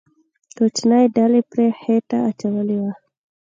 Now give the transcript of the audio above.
کوچنۍ ډلې پرې خېټه اچولې وه.